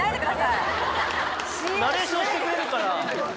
ナレーションしてくれるから。